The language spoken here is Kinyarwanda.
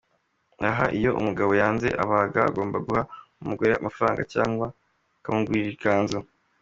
Aha, iyo umugabo yanze, aba agomba guha umugore amafaranga cyangwa akamugurira ikanzu.